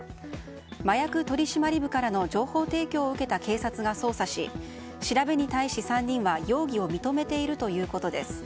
麻薬取締部からの情報提供を受けた警察が捜査し調べに対し、３人は容疑を認めているということです。